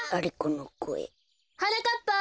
はなかっぱ！